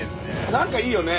何かいいよね？